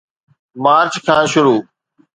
march کان شروع